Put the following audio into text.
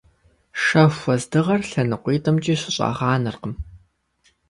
Шэху уэздыгъэр лъэныкъуитӏымкӏи щыщӏагъанэркъым.